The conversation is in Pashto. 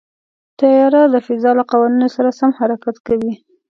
طیاره د فضا له قوانینو سره سم حرکت کوي.